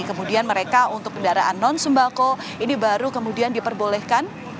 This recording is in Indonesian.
kemudian mereka untuk kendaraan non sembako ini baru kemudian diperbolehkan